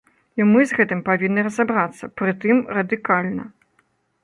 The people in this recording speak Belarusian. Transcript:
І мы з гэтым павінны разабрацца, прытым радыкальна.